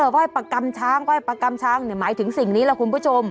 ไหว้ประกำช้างไหว้ประกำช้างหมายถึงสิ่งนี้ล่ะคุณผู้ชม